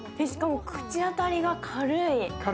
しかも口当たりが軽い。